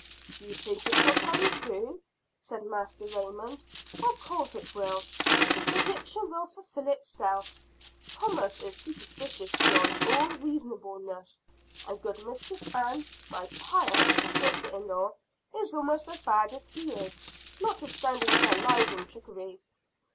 "Do you think it will come true?" said Master Raymond. "Of course it will; the prediction will fulfill itself. Thomas is superstitious beyond all reasonableness; and good Mistress Ann, my pious sister in law, is almost as bad as he is, notwithstanding her lies and trickery.